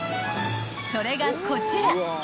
［それがこちら］